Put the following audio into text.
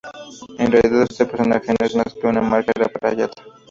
En realidad, este personaje no es más que una máscara para Yata.